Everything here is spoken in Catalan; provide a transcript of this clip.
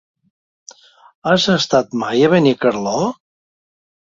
Has estat mai a Benicarló?